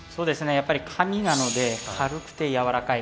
やっぱり紙なので軽くて柔らかい。